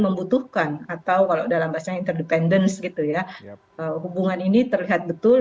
membutuhkan atau kalau dalam bahasanya independence gitu ya hubungan ini terlihat betul